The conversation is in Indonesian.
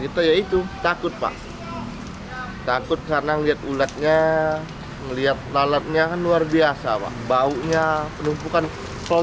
itu takut pak takut karena lihat ulatnya melihat lalatnya luar biasa pak baunya penumpukan kalau